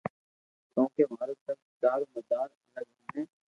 ڪونڪہ مارو سب دارو مدار اڪگ ھھي